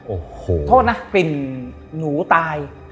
โอ้โหโทษนะกลิ่นหนูตาย